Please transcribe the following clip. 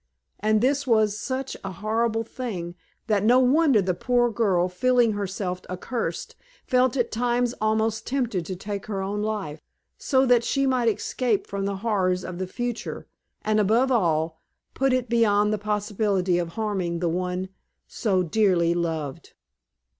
And this was such a horrible thing, that no wonder the poor girl, feeling herself accursed, felt at times almost tempted to take her own life, so that she might escape from the horrors of the future, and above all, put it beyond the possibility of harming the one so dearly loved.